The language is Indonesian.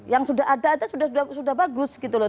yang sudah ada itu sudah bagus gitu loh